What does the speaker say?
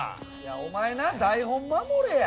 お前な台本守れや。